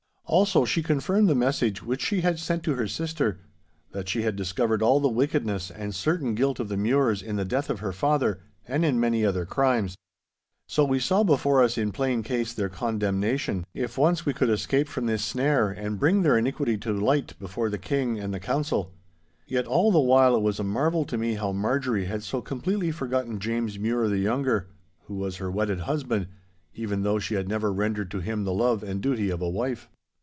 Also she confirmed the message which she had sent to her sister, that she had discovered all the wickedness and certain guilt of the Mures in the death of her father, and in many other crimes. So we saw before us in plain case their condemnation, if once we could escape from this snare and bring their iniquity to light before the King and the Council. Yet all the while it was a marvel to me how Marjorie had so completely forgotten James Mure the younger, who was her wedded husband, even though she had never rendered to him the love and duty of a wife.